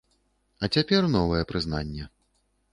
А цяпер новае прызнанне.